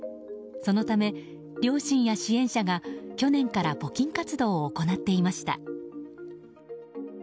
そのため、両親や支援者が去年から募金活動を行っていました。